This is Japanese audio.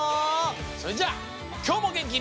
それじゃあきょうもげんきに。